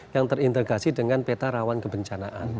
yang terintegrasi dengan peta rawan kebencanaan